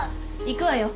行くわよ。